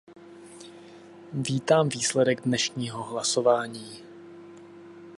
Vítám výsledek dnešního hlasování.